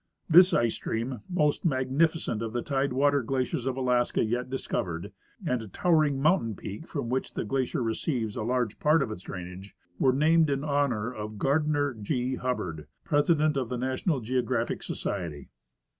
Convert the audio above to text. This ice stream, most magnificent of the tide water glaciers of Alaska yet discovered, and a towering mountain peak from which the glacier receives a large part of its drainage, were named in honor of Gardiner G. Hul)bard, presi dent of the National Geographic Society.